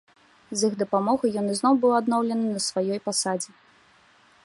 З іх дапамогай ён ізноў быў адноўлены на сваёй пасадзе.